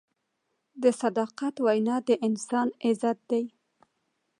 د صداقت وینا د انسان عزت دی.